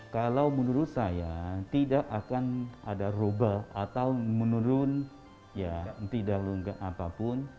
kalau menurut saya tidak akan ada roba atau menurun tidak menurunkan apapun